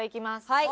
はい。